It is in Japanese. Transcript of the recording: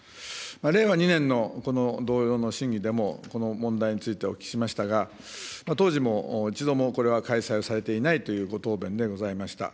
令和２年のこの同様の審議でも、この問題についてお聞きしましたが、当時も一度もこれは開催されてないというご答弁でございました。